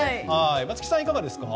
松木さん、いかがですか？